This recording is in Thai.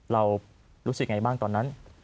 เรารู้สึกอย่างไรบ้างตอนนั้น